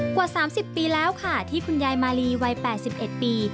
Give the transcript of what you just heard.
กว่า๓๐ปีแล้วค่ะที่คุณยายมาลีวัย๘๑ปี